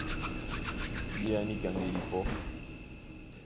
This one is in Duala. Bíá níka ŋgedi pɔ́!